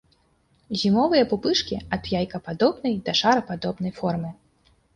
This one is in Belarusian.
Зімовыя пупышкі ад яйкападобнай да шарападобнай формы.